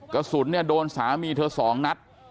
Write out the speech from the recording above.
กระสุนเนี่ยโดนสามีเธอ๒นัด